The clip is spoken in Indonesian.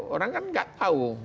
orang kan enggak tahu